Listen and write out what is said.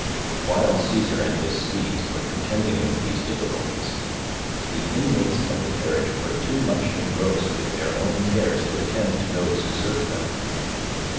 While Caesar and his steeds were contending with these difficulties, the inmates of the carriage were too much engrossed with their own cares to attend to those who served them.